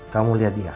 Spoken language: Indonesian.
kamu liat dia